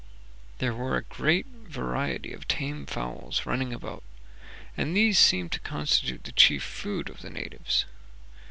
There were a great variety of tame fowls running about, and these seemed to constitute the chief food of the natives.